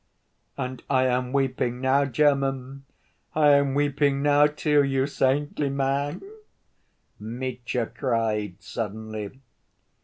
"And I am weeping now, German, I am weeping now, too, you saintly man," Mitya cried suddenly.